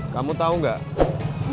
kamu tau gak